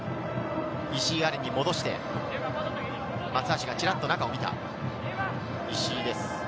石井亜錬に戻して、松橋がチラっと中を見た、石井です。